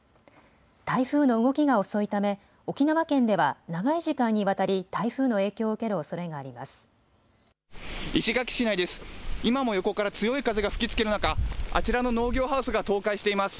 台風の動きが遅いため沖縄県では長い時間にわたり台風の影響を受けるおそれがあります。